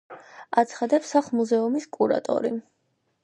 აცხადებს სახლ-მუზეუმის კურატორი.